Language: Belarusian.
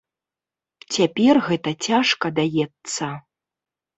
Цяпер гэта цяжка даецца.